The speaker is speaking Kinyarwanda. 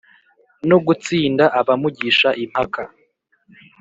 no gutsinda abamugisha impaka.